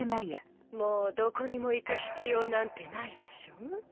もうどこにも行く必要なんてないでしょ？